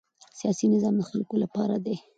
سیاسي نظام د خلکو لپاره دی